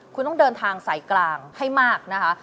คุณต้องเดินทางสายกลางให้มากนะคะ